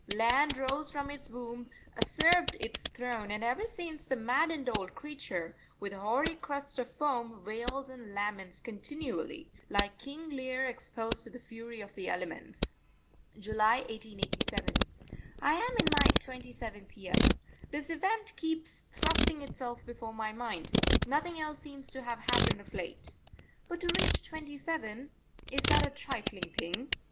Land rose from its womb, usurped its throne, and ever since the maddened old creature, with hoary crest of foam, wails and laments continually, like King Lear exposed to the fury of the elements. July 1887. I am in my twenty seventh year. This event keeps thrusting itself before my mind nothing else seems to have happened of late. But to reach twenty seven is that a trifling thing?